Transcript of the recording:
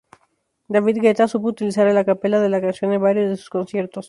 David Guetta supo utilizar el acapella de la canción en varios de sus conciertos.